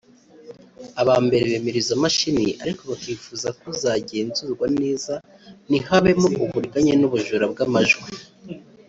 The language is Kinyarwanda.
Aba mbere bemera izo mashini ariko bakifuza ko zagenzurwa neza ntihabemo uburiganya n’ubujura bw’amajwi